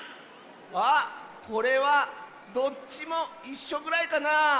あっこれはどっちもいっしょぐらいかなあ。